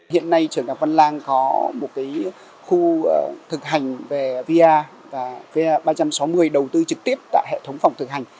hiện nay trường đặc văn lan có một khu thực hành về vr và vr ba trăm sáu mươi đầu tư trực tiếp tại hệ thống phòng thực hành